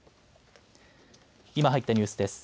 今入ったニュースです。